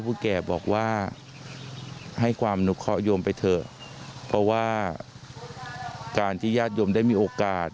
เป็นนะในเวลาที่จะกำหนดเดิ่มมานั่นกัน